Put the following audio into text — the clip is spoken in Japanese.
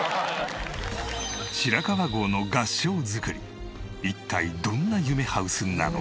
白川郷の合掌造り一体どんな夢ハウスなのか？